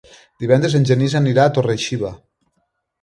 Divendres en Genís anirà a Torre-xiva.